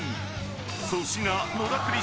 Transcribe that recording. ［粗品野田クリ